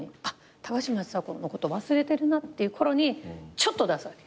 高嶋ちさ子のこと忘れてるなっていう頃にちょっと出すわけ。